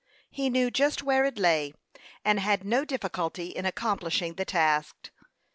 He knew just where it lay, and had no difficulty in accomplishing the task.